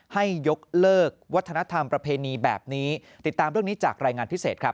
ให้ยกเลิกวัฒนธรรมประเพณีแบบนี้ติดตามเรื่องนี้จากรายงานพิเศษครับ